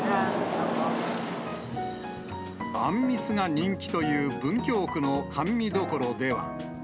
あんみつが人気という、文京区の甘味どころでは。